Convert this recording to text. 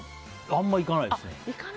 あんま行かないですね。